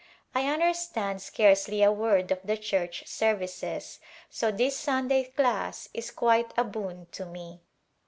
I understand scarcely a word of the church services, so this Sunday class is quite a boon to me.